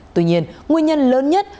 tuy nhiên nguyên nhân lớn nhất